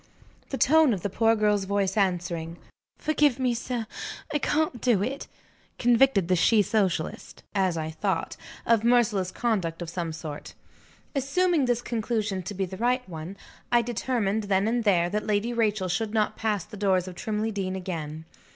The tone of the poor girl's voice answering, "Forgive me, sir; I can't do it" convicted the she socialist (as I thought) of merciless conduct of some sort. Assuming this conclusion to be the right one, I determined, then and there, that Lady Rachel should not pass the doors of Trimley Deen again.